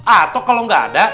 atau kalo gak ada